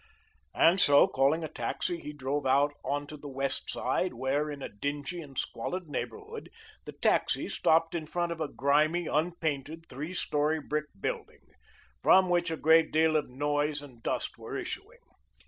And so, calling a taxi, he drove out onto the west side where, in a dingy and squalid neighborhood, the taxi stopped in front of a grimy unpainted three story brick building, from which a great deal of noise and dust were issuing.